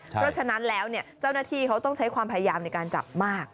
เพราะฉะนั้นแล้วเจ้าหน้าที่เขาต้องใช้ความพยายามในการจับมาก